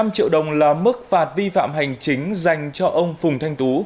bảy năm triệu đồng là mức phạt vi phạm hành chính dành cho ông phùng thanh tú